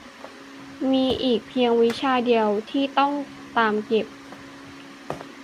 มีอีกเพียงวิชาเดียวที่ต้องตามเก็บ